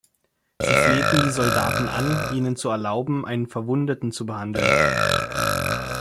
Sie flehten die Soldaten an, ihnen zu erlauben, einen Verwundeten zu behandeln.